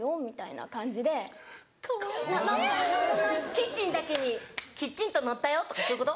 キッチンだけにキチンと乗ったよとかそういうこと？